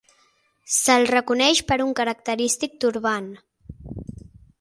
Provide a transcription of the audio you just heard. Se'l reconeix per un característic Turbant.